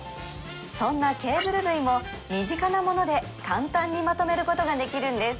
そんなケーブル類も身近なもので簡単にまとめることができるんです